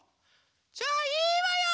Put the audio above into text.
じゃあいいわよ！